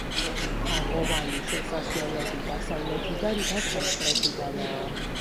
თაღოვანი შესასვლელები დასავლეთიდან და სამხრეთიდანაა.